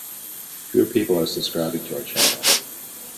Fewer people are subscribing to our channel.